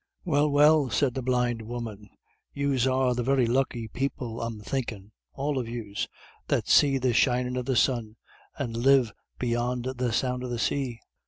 "Well, well," said the blind woman, "yous are the very lucky people, I'm thinkin', all of yous, that see the shinin' of the sun, and live beyond the sound of the say."